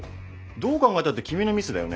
どう考えたって君のミスだよね？